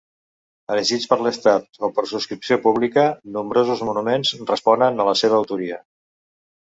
Erigits per l'Estat o per subscripció pública, nombrosos monuments responen a la seva autoria.